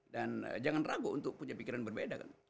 dan jangan ragu untuk punya pikiran berbeda kan